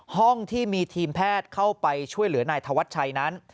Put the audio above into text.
ห้องที่มีทีมแพทย์เข้าไปช่วยเหลือนายธวัชชัยนั้น